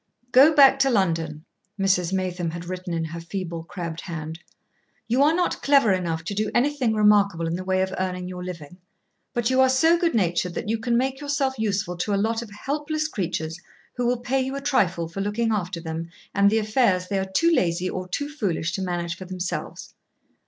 Go back to London [Mrs. Maytham had written in her feeble, crabbed hand]. You are not clever enough to do anything remarkable in the way of earning your living, but you are so good natured that you can make yourself useful to a lot of helpless creatures who will pay you a trifle for looking after them and the affairs they are too lazy or too foolish to manage for themselves.